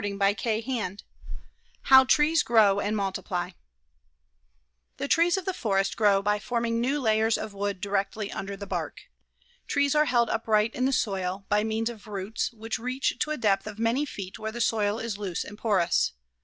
] CHAPTER I HOW TREES GROW AND MULTIPLY The trees of the forest grow by forming new layers of wood directly under the bark. Trees are held upright in the soil by means of roots which reach to a depth of many feet where the soil is loose and porous.